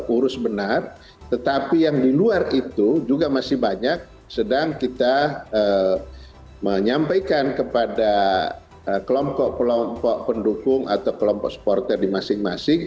urus benar tetapi yang di luar itu juga masih banyak sedang kita menyampaikan kepada kelompok kelompok pendukung atau kelompok supporter di masing masing